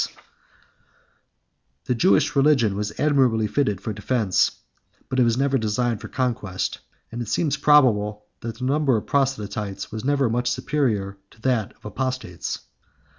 ] The Jewish religion was admirably fitted for defence, but it was never designed for conquest; and it seems probable that the number of proselytes was never much superior to that of apostates.